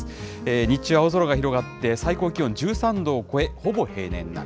日中、青空が広がって、最高気温１３度を超え、ほぼ平年並み。